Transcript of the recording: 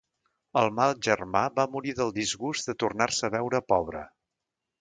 El mal germà va morir del disgust de tornar-se a veure pobre.